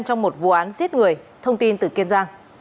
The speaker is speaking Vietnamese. trong một vụ án giết người